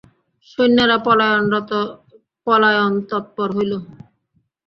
সৈন্যেরা পলায়নতৎপর হইল।